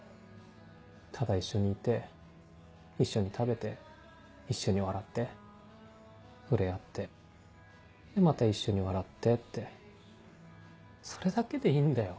ただ一緒にいて一緒に食べて一緒に笑って触れ合ってでまた一緒に笑ってってそれだけでいいんだよ。